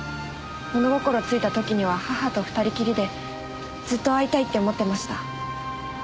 物心ついた時には母と２人きりでずっと会いたいって思ってました。